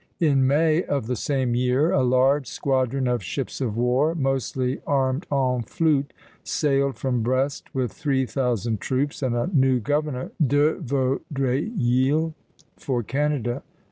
In May of the same year a large squadron of ships of war, mostly armed en flûte, sailed from Brest with three thousand troops, and a new governor, De Vaudreuil, for Canada.